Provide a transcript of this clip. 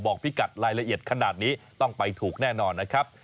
พิกัดรายละเอียดขนาดนี้ต้องไปถูกแน่นอนนะครับ